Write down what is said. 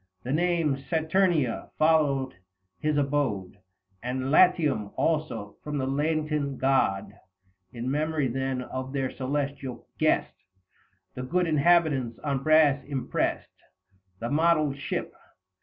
The name Saturnia followed his abode, And Latium also, from the latent god. In memory, then, of their celestial guest, The good inhabitants on brass impressed 255 The modelled ship.